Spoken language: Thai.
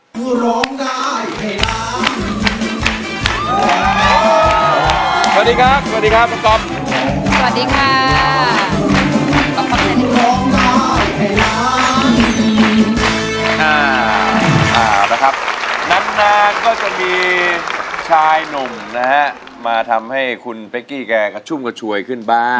สวัสดีครับน้ำน้าก็จะมีชายหนุ่มนะคะมาทำให้คุณเพคกี้แบกกระชุ่มกระชวยขึ้นบ้าง